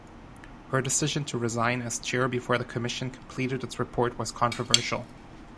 Her decision to resign as chair before the commission completed its report was controversial.